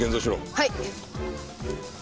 はい。